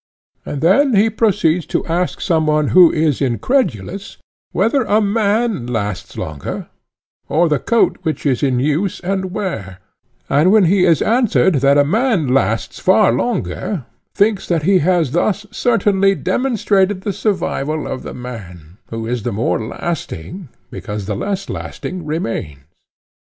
And then he proceeds to ask of some one who is incredulous, whether a man lasts longer, or the coat which is in use and wear; and when he is answered that a man lasts far longer, thinks that he has thus certainly demonstrated the survival of the man, who is the more lasting, because the less lasting remains.